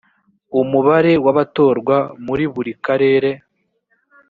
umubare w abatorwa muri buri karere